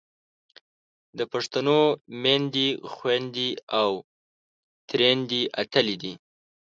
د پښتنو میندې، خویندې او ترېیندې اتلې دي.